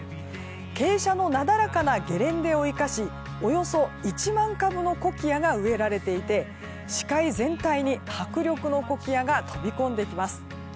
傾斜のなだらかなゲレンデを生かしおよそ１万株のコキアが植えられていて視界全体に迫力のコキアが飛び込んできます。